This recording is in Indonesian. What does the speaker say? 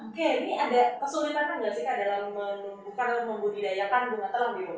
oke ini ada kesulitan kan dalam membudidayakan bunga telang di rumah